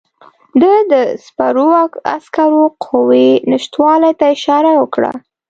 ده د سپرو عسکرو قوې نشتوالي ته اشاره وکړه.